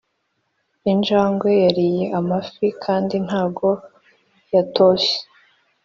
injangwe yariye amafi kandi ntago yatose.